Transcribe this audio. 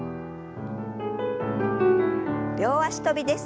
両脚跳びです。